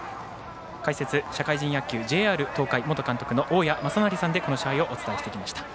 解説、社会人野球ＪＲ東海元監督、大矢正成さんでこの試合をお伝えしてきました。